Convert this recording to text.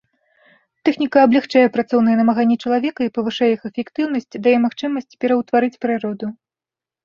Тэхніка аблягчае працоўныя намаганні чалавека і павышае іх эфектыўнасць, дае магчымасць пераўтвараць прыроду.